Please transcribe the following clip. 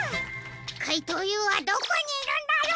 かいとうＵはどこにいるんだろう？